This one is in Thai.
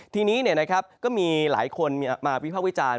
ทีนี้ก็มีหลายคนมาวิภาควิจารณ์